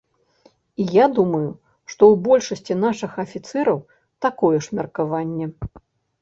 І я думаю, што ў большасці нашых афіцэраў такое ж меркаванне.